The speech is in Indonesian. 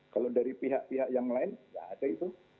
kalau dari pihak pihak yang lain nggak ada itu